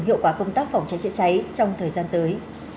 hiệu quả công tác phòng cháy chữa cháy trong thời gian tới